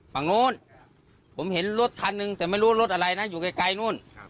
ฝั่งนู้นผมเห็นรถคันหนึ่งแต่ไม่รู้รถอะไรนะอยู่ไกลนู่น